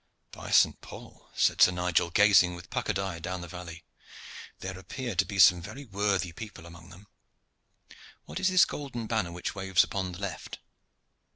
"By Saint Paul!" said Sir Nigel, gazing with puckered eye down the valley, "there appear to be some very worthy people among them. What is this golden banner which waves upon the left?"